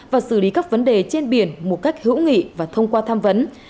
và xử lý các vấn đề trên biển một cách hữu nghị và thông qua tham vấn